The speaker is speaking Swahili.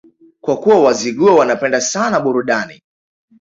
Kwa kuwa Wazigua wanapenda sana burudani